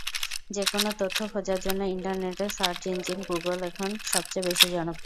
যেকোনো তথ্য খোঁজার জন্য ইন্টারনেটে সার্চ ইঞ্জিন গুগল এখন সবচেয়ে বেশি জনপ্রিয়।